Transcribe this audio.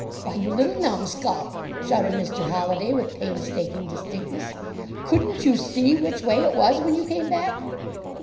"Why, you little numbskull," shouted Mr. Holliday, with painstaking distinctness, II couldn t you see which way it was when you came back?"